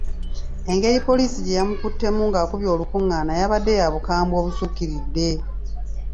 Engeri poliisi gye yamukuttemu ng’akubye olukung’aana yabadde ya bukambwe obusukkiridde.